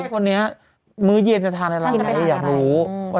วันนี้มื้อเย็นจะทานอะไรไหมอยากรู้